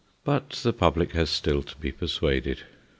But the public has still to be persuaded.